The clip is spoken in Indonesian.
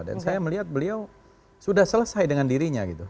dan saya melihat beliau sudah selesai dengan dirinya gitu